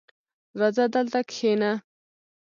راځه دلته کښېنه!